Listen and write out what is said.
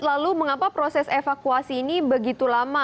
lalu mengapa proses evakuasi ini begitu lama